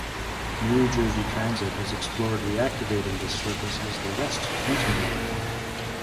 New Jersey Transit has explored reactivating this service as the West Trenton Line.